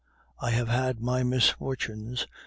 I have had my misfortunes.